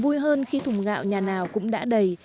vui hơn khi thùng gạo nhà nào cũng đã đầy